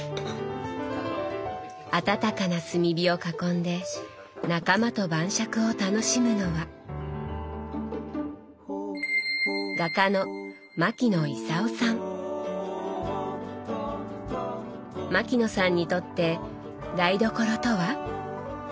暖かな炭火を囲んで仲間と晩酌を楽しむのは牧野さんにとって台所とは？